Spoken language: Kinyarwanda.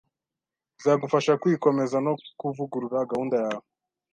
bizagufasha kwikomeza no kuvugurura gahunda yawe.